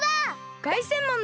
がいせんもんだ！